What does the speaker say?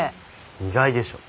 意外でしょ。